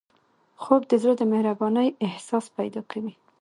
خوب د زړه د مهربانۍ احساس پیدا کوي